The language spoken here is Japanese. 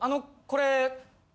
これ。